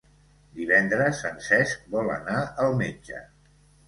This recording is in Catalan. Divendres en Cesc vol anar al metge.